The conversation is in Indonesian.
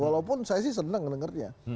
walaupun saya sih seneng dengernya